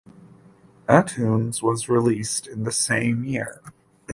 Antunes was released in the same year.